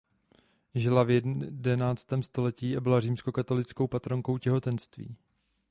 Žila v jedenáctém století a byla římskokatolickou patronkou těhotenství.